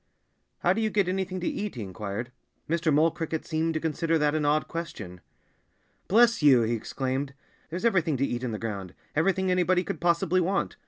"How do you get anything to eat?" he inquired. Mr. Mole Cricket seemed to consider that an odd question. "Bless you!" he exclaimed. "There's everything to eat in the ground everything anybody could possibly want.